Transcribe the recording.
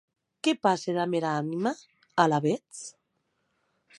Qué passe damb era anima, alavetz?